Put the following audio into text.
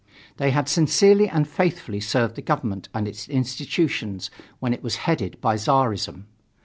They had sincerely and faithfully served the government and its institutions when it was headed by Czarism.